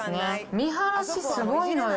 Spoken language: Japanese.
見晴らしすごいのよ。